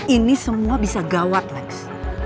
ini semua bisa gawat next